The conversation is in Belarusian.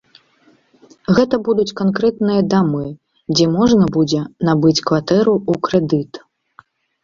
Гэта будуць канкрэтныя дамы, дзе можна будзе набыць кватэру ў крэдыт.